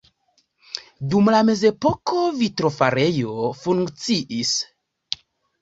Dum la mezepoko vitrofarejo funkciis.